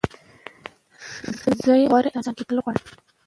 زه یو غوره انسان کېدل غواړم.